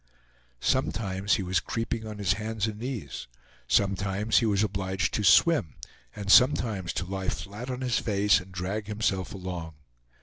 Sometimes he was creeping on his hands and knees, sometimes he was obliged to swim, and sometimes to lie flat on his face and drag himself along.